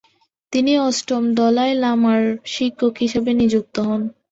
তিনি অষ্টম দলাই লামার শিক্ষক হিসেবে নিযুক্ত হন।